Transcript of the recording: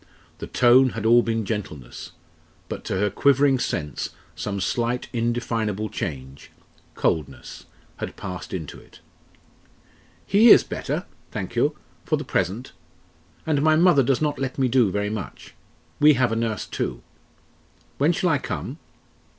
The tone had been all gentleness, but to her quivering sense some slight indefinable change coldness had passed into it. "He is better, thank you for the present. And my mother does not let me do very much. We have a nurse too. When shall I come?"